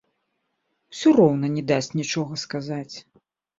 Усё роўна не дасць нічога сказаць.